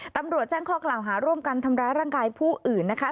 ตำรวจแจ้งข้อกล่าวหาร่วมกันทำร้ายร่างกายผู้อื่นนะคะ